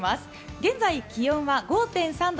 現在、気温は５．３度。